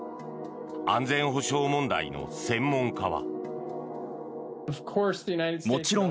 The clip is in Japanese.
安全保障問題の専門家は。